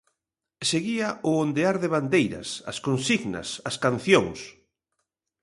Seguía o ondear de bandeiras, as consignas, as cancións.